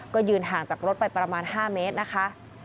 ก็ยืนห่างจากรถไปประมาณ๕เมตรนะคะ